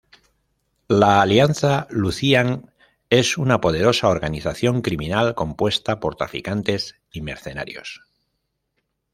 La Alianza Lucian es una poderosa organización criminal compuesta por traficantes y mercenarios.